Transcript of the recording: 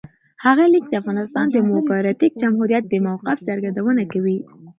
هغه لیک د افغانستان د دموکراتیک جمهوریت د موقف څرګندونه کوي.